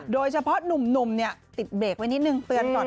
โดยเฉพาะหนุ่มเนี่ยติดเบรกไว้นิดนึงเตือนก่อน